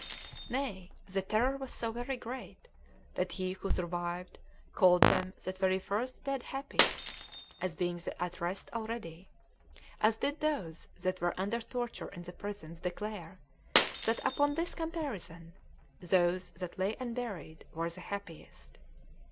Nay, the terror was so very great, that he who survived called them that were first dead happy, as being at rest already; as did those that were under torture in the prisons, declare, that, upon this comparison, those that lay unburied were the happiest.